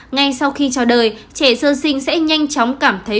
ngay sau khi trao đời trẻ sơ sinh sẽ nhanh chóng cảm thấy